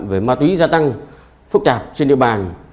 về ma túy gia tăng phức tạp trên địa bàn